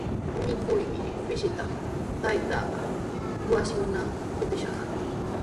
Mikuynii pishiptinqa taytaapa wasinmanmi kutishaq.